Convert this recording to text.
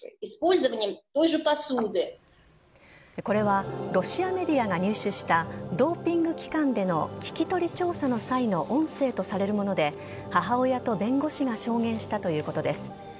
これはロシアメディアが入手した、ドーピング機関での聞き取り調査の際の音声とされるもので、母親と弁護士が証言したということです。